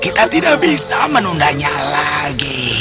kita tidak bisa menundanya lagi